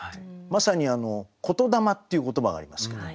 まさに言霊っていう言葉がありますけど。